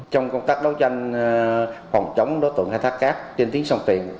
trong công tác đấu tranh phòng chống đối tượng khai thác cát trên tiếng sông tiền